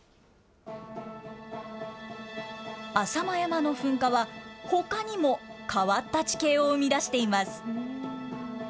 浅間山の噴火は、ほかにも変わった地形を生み出しています。